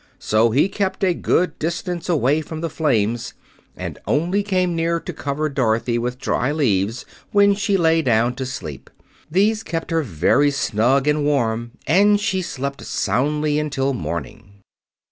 So he kept a good distance away from the flames, and only came near to cover Dorothy with dry leaves when she lay down to sleep. These kept her very snug and warm, and she slept soundly until morning.